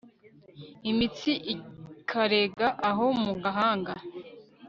Imitsi ikarega aho mu gahanga